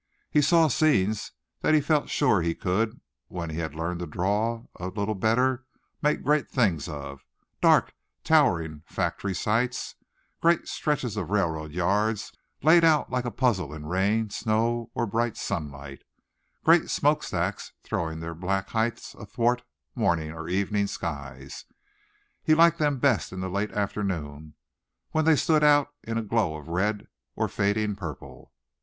He saw scenes that he felt sure he could, when he had learned to draw a little better, make great things of, dark, towering factory sites, great stretches of railroad yards laid out like a puzzle in rain, snow, or bright sunlight; great smoke stacks throwing their black heights athwart morning or evening skies. He liked them best in the late afternoon when they stood out in a glow of red or fading purple.